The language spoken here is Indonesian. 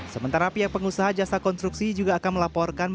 sementara pihak pengusaha jasa konstruksi juga akan melaporkan